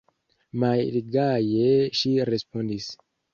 Malgaje ŝi respondis: